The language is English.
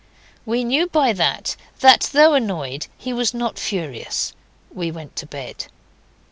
We knew by that that, though annoyed, he was not furious; we went to bed.